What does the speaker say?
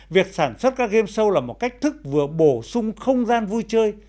việc sản xuất các game show là một cách thức vừa bổ sung không gian vui chơi